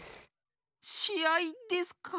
しあいですか？